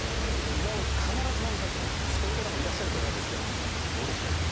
もう必ず飲みたいとねそういう方もいらっしゃると思うんですけどもどうでしょうかね？